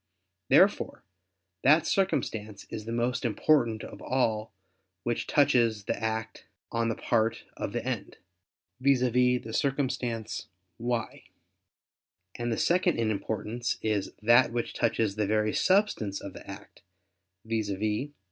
Therefore that circumstance is the most important of all which touches the act on the part of the end, viz. the circumstance "why": and the second in importance, is that which touches the very substance of the act, viz.